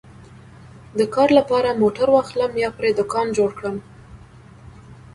د کار لپاره موټر واخلم یا پرې دوکان جوړ کړم